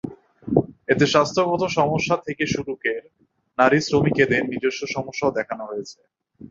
এতে স্বাস্থ্যগত সমস্যা থেকে শুরু কের নারী শ্রমিকেদের নিজস্ব সমস্যাও দেখানো হয়েছে।